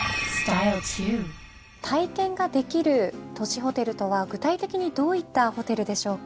体験ができる都市ホテルとは具体的にどういったホテルでしょうか？